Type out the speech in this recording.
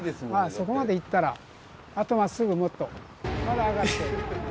そこまで行ったらあと真っすぐもっとまだ上がって。